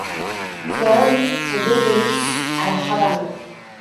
Fueron conducidos a La Habana.